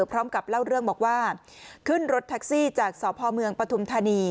พร้อมกับเล่าเรื่องบอกว่าขึ้นรถแท็กซี่จากสพเมืองปฐุมธานี